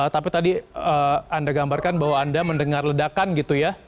tapi tadi anda gambarkan bahwa anda mendengar ledakan gitu ya